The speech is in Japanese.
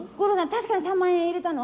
確かに３万円入れたの？